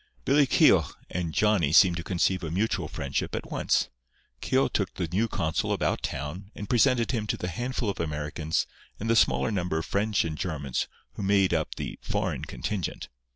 Billy Keogh and Johnny seemed to conceive a mutual friendship at once. Keogh took the new consul about town and presented him to the handful of Americans and the smaller number of French and Germans who made up the "foreign" contingent.